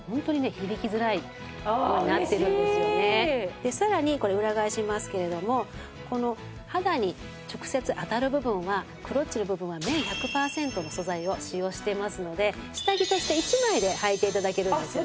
でさらにこれ裏返しますけれどもこの肌に直接当たる部分はクロッチの部分は綿１００パーセントの素材を使用していますので下着として１枚ではいて頂けるんですよね。